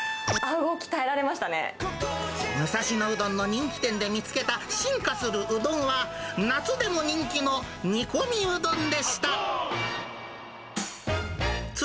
武蔵野うどんの人気店で見つけた進化するうどんは、夏でも人気の煮込みうどんでした。